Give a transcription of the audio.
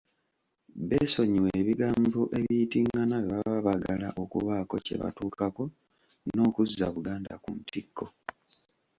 Beesonyiwe ebigambo ebiyitingana bwe baba baagala okubaako bye batuukako n’okuzza Buganda ku ntikko.